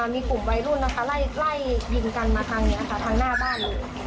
มีกลุ่มวัยรุ่นนะคะไล่ยิงกันมาทางนี้ค่ะทางหน้าบ้านเลย